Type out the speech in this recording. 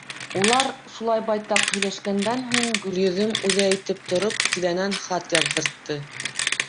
Улар шулай байтаҡ һөйләшкәндән һуң, Гөлйөҙөм үҙе әйтеп тороп, Диләнән хат яҙҙыртты: